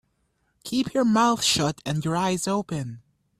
Keep your mouth shut and your eyes open.